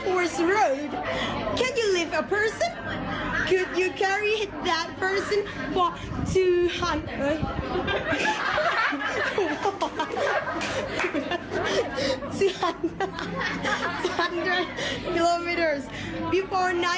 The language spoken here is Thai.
ว้าว